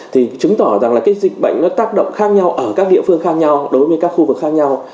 thì chứng tỏ rằng là cái dịch bệnh nó tác động khác nhau ở các địa phương khác nhau đối với các khu vực khác nhau